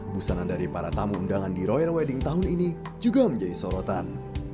busana dari para tamu undangan di royal wedding tahun ini juga menjadi sorotan